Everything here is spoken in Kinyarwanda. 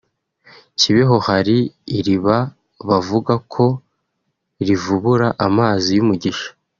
Kibeho hari iriba bavuga ko rivubura amazi y’umugisha